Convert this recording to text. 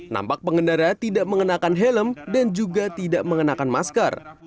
nampak pengendara tidak mengenakan helm dan juga tidak mengenakan masker